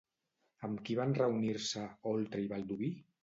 Amb qui van reunir-se, Oltra i Baldoví?